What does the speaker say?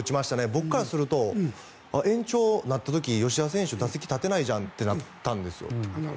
僕からすると延長になった時、吉田選手打席に立てないじゃんと思ったんですよ。